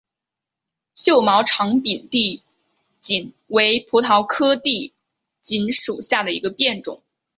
锈毛长柄地锦为葡萄科地锦属下的一个变种。